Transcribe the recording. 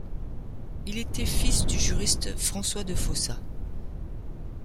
Il était fils du juriste François de Fossa.